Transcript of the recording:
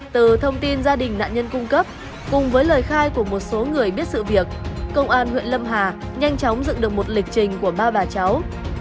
từ thông tin gia đình nạn nhân cung cấp cùng với lời khai của một số người biết sự việc công an huyện lâm hà nhanh chóng dựng được một lịch trình của ba bà cháu